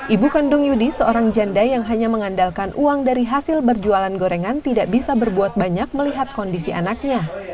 ibu kandung yudi seorang janda yang hanya mengandalkan uang dari hasil berjualan gorengan tidak bisa berbuat banyak melihat kondisi anaknya